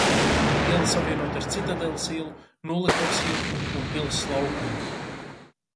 Iela savienota ar Citadeles ielu, Noliktavas ielu un Pils laukumu.